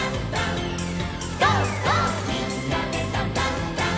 「みんなでダンダンダン」